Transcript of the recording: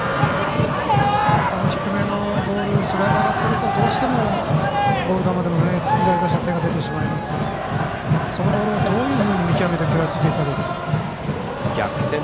低めのスライダーが来るとどうしてもボール球でも左打者は手が出てしまいますがそのボールをどういうふうに見極めて食らいつくか。